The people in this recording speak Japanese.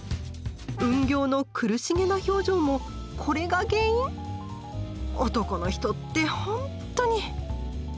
吽形の苦しげな表情もこれが原因⁉男の人ってほんっとに！